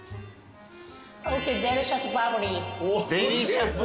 「デリシャスバブリー」？